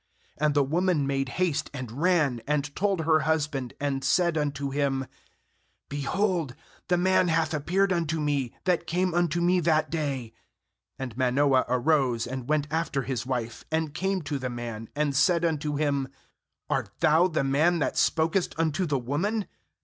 10And the woman made haste, and ran, and told her husband, and said unto him: 'Behold, the man *hath appeared unto me, that came unto me that day.' uAnd Manoah arose, and went after his wife, and came to the man, and said unto him: 'Art thou the man that spokest unto the woman?'